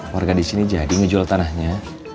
warga di sini jadi ngejol tanahnya